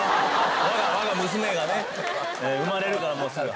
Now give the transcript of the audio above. わが娘がね生まれるからもうすぐ。